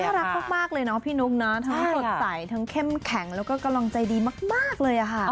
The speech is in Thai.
รักมากเลยเนาะพี่นุ๊กนะทั้งสดใสทั้งเข้มแข็งแล้วก็กำลังใจดีมากเลยค่ะ